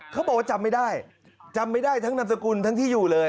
เขาบอกว่าจำไม่ได้จำไม่ได้ทั้งนามสกุลทั้งที่อยู่เลย